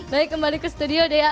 baik kembali ke studio dea